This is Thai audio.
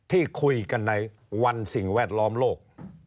ที่คุยกันในวันสิ่งแวดล้อมโลก